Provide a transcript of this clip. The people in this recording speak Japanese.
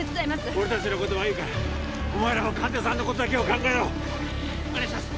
俺達のことはいいからお前らは患者さんのことだけを考えろ・お願いします